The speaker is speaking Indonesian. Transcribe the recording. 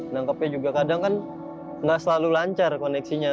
nangkepnya juga kadang kan nggak selalu lancar koneksinya